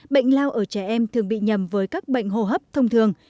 bệnh lao ở trẻ em thường bị nhầm với các bệnh hô hấp thông thường